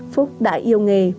phúc đã yêu nghề